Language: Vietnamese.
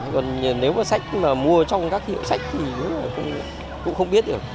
còn nếu mà sách mà mua trong các hiệu sách thì cũng không biết được